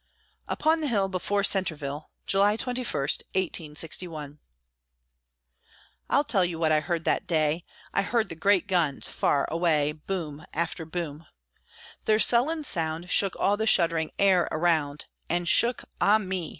UPON THE HILL BEFORE CENTREVILLE [July 21, 1861] I'll tell you what I heard that day: I heard the great guns far away, Boom after boom. Their sullen sound Shook all the shuddering air around; And shook, ah me!